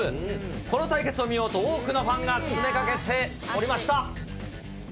この対決を見ようと、多くのファンが詰めかけておりました。